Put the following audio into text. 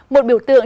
một biểu tượng